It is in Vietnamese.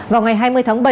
vào ngày hai mươi tháng bảy